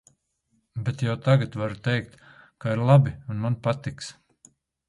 Bet jau tagad varu teikt, ka ir labi un man patiks.